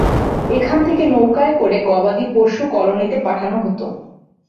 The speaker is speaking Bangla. এখান থেকে নৌকায় করে গবাদি পশু কলোনিতে পাঠানো হতো।